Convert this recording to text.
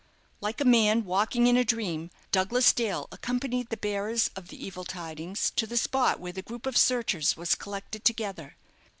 Like a man walking in a dream, Douglas Dale accompanied the bearers of the evil tidings to the spot where the group of searchers was collected together.